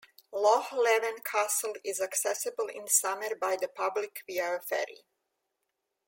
Loch Leven Castle is accessible in summer by the public via a ferry.